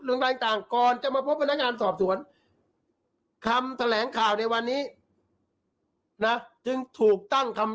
อย่างต่างกว่าจะมาเจ้าการสอบส่วนคำแถลงข่าวในวันนี้นะถึงถูกตั้งคำ